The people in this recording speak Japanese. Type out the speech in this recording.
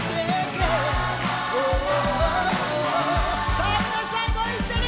さあ皆さんご一緒に！